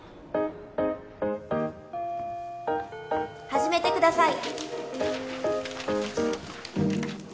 始めてください